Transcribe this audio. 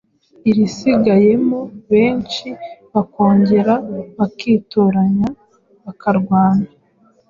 irisigayemo benshi, bakongera bakitoranya bakarwana,